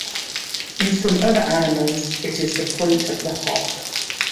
In some other animals, it is the point of the hock.